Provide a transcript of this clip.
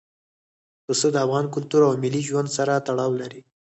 پسه د افغان کلتور او ملي ژوند سره تړاو لري.